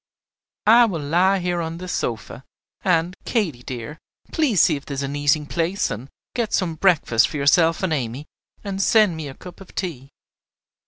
I will lie here on this sofa; and, Katy dear, please see if there is an eating place, and get some breakfast for yourself and Amy, and send me a cup of tea."